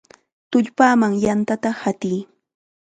¡Tullpaman yantata hatiy!